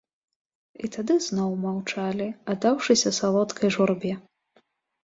І тады зноў маўчалі, аддаўшыся салодкай журбе.